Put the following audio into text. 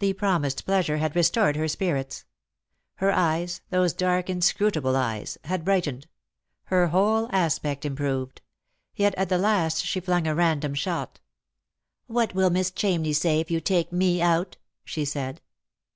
The promised pleasure had restored her spirits. Her eyes — those dark inscrutable eyes — had bright ened ; her whole aspect improved. Yet at the last she flung a random shot. "What will Miss Chamney say if you take me out?" she said.